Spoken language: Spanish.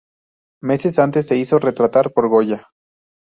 Meses antes se hizo retratar por Goya.